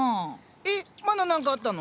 えまだ何かあったの？